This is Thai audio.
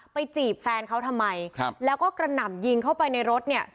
ไปจีบแฟนเขาทำไมแล้วก็กระหน่ำยิงเข้าไปในรถ